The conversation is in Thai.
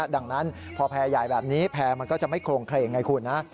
ดังนั้นพอแพร่ใหญ่แบบนี้แพร่มันก็จะไม่โครงเคลงไงคุณนะ